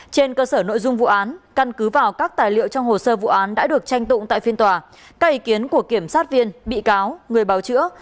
trên cơ sở nội dung vụ án căn cứ vào các tài liệu trong hồ sơ vụ án đã được tranh tụng tại phiên tòa các ý kiến của kiểm sát viên bị cáo người báo chữa